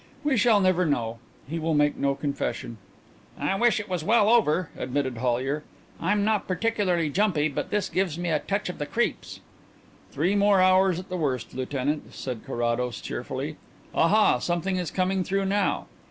We shall never know; he will make no confession." "I wish it was well over," admitted Hollyer. "I'm not particularly jumpy, but this gives me a touch of the creeps." "Three more hours at the worst, Lieutenant," said Carrados cheerfully. "Ah ha, something is coming through now."